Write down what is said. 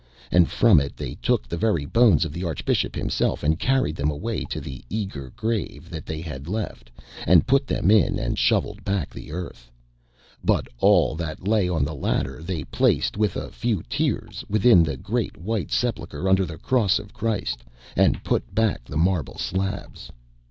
And from it they took the very bones of the Archbishop himself, and carried them away to the eager grave that they had left, and put them in and shovelled back the earth. But all that lay on the ladder they placed, with a few tears, within the great white sepulchre under the Cross of Christ, and put back the marble slabs.